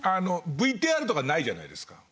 あのＶＴＲとかないじゃないですか。